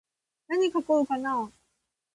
なに書こうかなー。